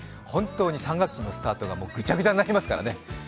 本当に３学期のスタートがぐちゃぐちゃになりますからね。